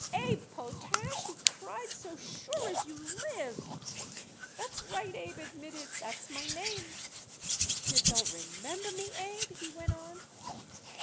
"Abe Potash!" he cried. "So sure as you live." "That's right," Abe admitted; "that's my name." "You don't remember me, Abe?" he went on.